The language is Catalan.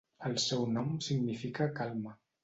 El seu nom significa 'calma'.